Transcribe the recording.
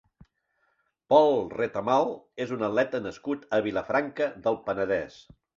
Pol Retamal és un atleta nascut a Vilafranca del Penedès.